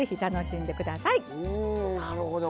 うんなるほど。